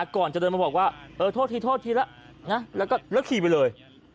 ก่อนจะเดินมาบอกว่าโทษธีแล้วแล้วยักขี่ไปเลย